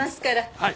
はい。